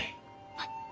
はい。